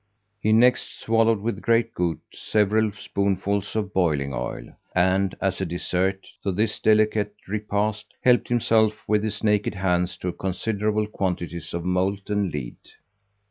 He next swallowed with great gout, several spoonfuls of boiling oil; and, as a dessert to this delicate repast, helped himself with his naked hands to a considerable quantity of molten lead.